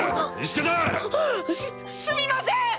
すすみません！